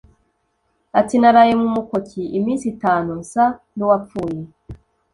Ati” Naraye mu mukoki iminsi itatu nsa n’uwapfuye